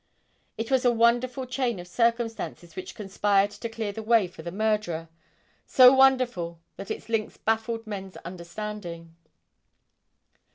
It was a wonderful chain of circumstances which conspired to clear the way for the murderer; so wonderful that its links baffled men's understanding.